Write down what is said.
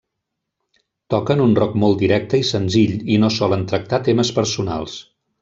Toquen un rock molt directe i senzill, i no solen tractar temes personals.